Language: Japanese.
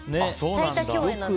最多共演なんです。